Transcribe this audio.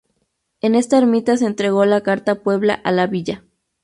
En esta ermita se entregó la Carta Puebla a la villa.